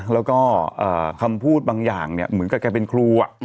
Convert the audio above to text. แล้วก็คำพูดบางอย่างเนี่ยเหมือนกับแกเป็นครู